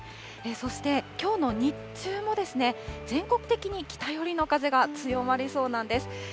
そして、きょうの日中も全国的に北寄りの風が強まりそうなんです。